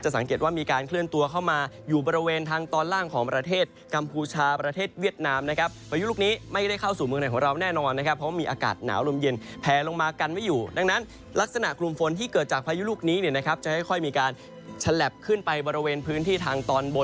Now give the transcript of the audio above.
สังเกตว่ามีการเคลื่อนตัวเข้ามาอยู่บริเวณทางตอนล่างของประเทศกัมพูชาประเทศเวียดนามนะครับพายุลูกนี้ไม่ได้เข้าสู่เมืองไหนของเราแน่นอนนะครับเพราะว่ามีอากาศหนาวลมเย็นแพลลงมากันไม่อยู่ดังนั้นลักษณะกลุ่มฝนที่เกิดจากพายุลูกนี้เนี่ยนะครับจะค่อยมีการฉลับขึ้นไปบริเวณพื้นที่ทางตอนบน